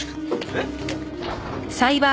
えっ？